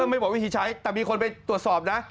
ไม่บอกวิธีใช้แต่มีคนไปตรวจสอบนะ